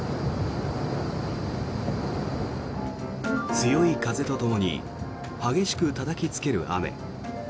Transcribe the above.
強い風とともに激しくたたきつける雨。